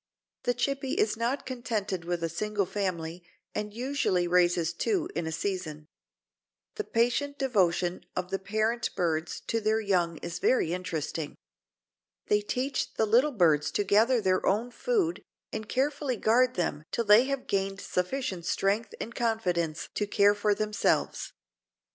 The Chippy is not contented with a single family and usually raises two in a season. The patient devotion of the parent birds to their young is very interesting. They teach the little birds to gather their own food and carefully guard them till they have gained sufficient strength and confidence to care for themselves.